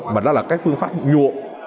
mà đó là các phương pháp nhuộm